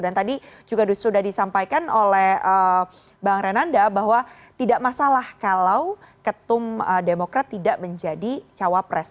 dan tadi juga sudah disampaikan oleh bang renanda bahwa tidak masalah kalau ketum demokrat tidak menjadi cawapres